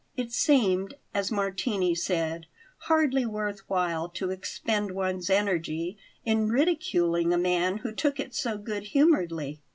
It seemed, as Martini said, hardly worth while to expend one's energy in ridiculing a man who took it so good humouredly.